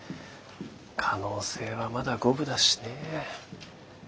可能性はまだ五分だしね。